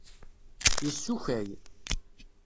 Yessukkay.